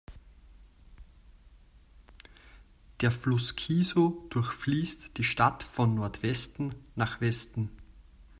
Der Fluss Kiso durchfließt die Stadt von Nordwesten nach Westen.